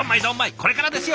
これからですよ